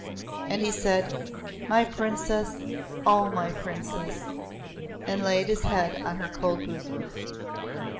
And he said; "My Princess O my Princess!" and laid his head on her cold bosom.